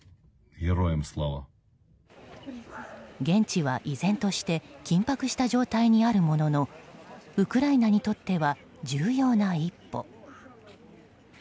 現地は依然として緊迫した状態にあるもののウクライナにとっては重要な一歩。